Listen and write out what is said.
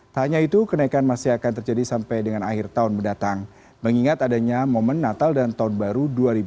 tak hanya itu kenaikan masih akan terjadi sampai dengan akhir tahun mendatang mengingat adanya momen natal dan tahun baru dua ribu dua puluh